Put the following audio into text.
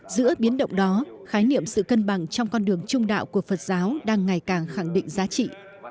giữa biến động đó khái niệm sự cân bằng trong con đường trung đạo của phật giáo đang ngày càng khẳng định giá trị